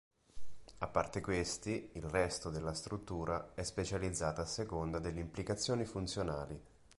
A parte questi, il resto della struttura è specializzata a seconda delle implicazioni funzionali.